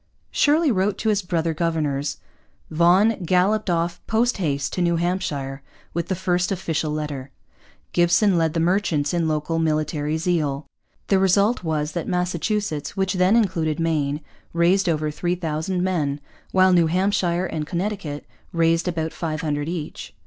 Shirley wrote to his brother governors. Vaughan galloped off post haste to New Hampshire with the first official letter. Gibson led the merchants in local military zeal. The result was that Massachusetts, which then included Maine, raised over 3,000 men, while New Hampshire and Connecticut raised about 500 each.